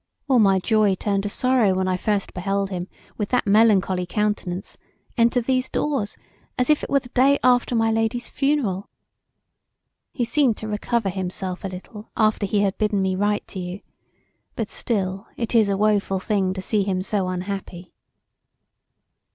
All my joy turned to sorrow when I first beheld him with that melancholy countenance enter these doors as it were the day after my lady's funeral He seemed to recover himself a little after he had bidden me write to you but still it is a woful thing to see him so unhappy."